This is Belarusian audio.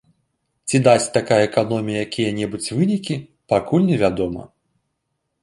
Ці дасць такая эканомія якія-небудзь вынікі, пакуль невядома.